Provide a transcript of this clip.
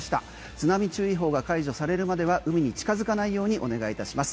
津波注意報が解除されるまでは海に近づかないようにお願いいたします。